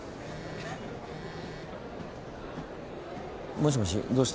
もしもしどうした？